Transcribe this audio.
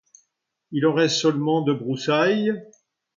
Il en reste seulement de broussailles.